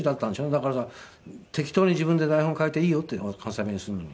だからか適当に自分で台本変えていいよって関西弁にするのに。